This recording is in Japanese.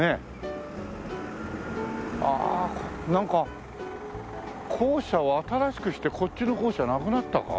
ああなんか校舎を新しくしてこっちの校舎なくなったか？